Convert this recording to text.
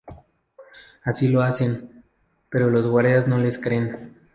Así lo hacen, pero los guardias no les creen.